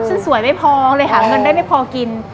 สวยไม่พอเลยหาเงินได้ไม่พอกิน